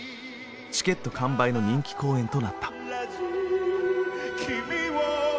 チケット完売の人気公演となった。